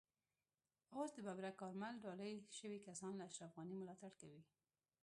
اوس د ببرک کارمل ډالۍ شوي کسان له اشرف غني ملاتړ کوي.